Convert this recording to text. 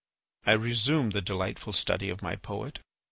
I resumed the delightful study of my poet.